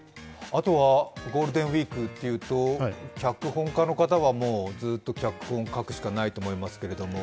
あとは、ゴールデンウイークというと脚本家の方はずっと脚本を書くしかないと思いますけど。